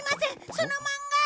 その漫画。